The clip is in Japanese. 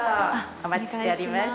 お待ちしておりました。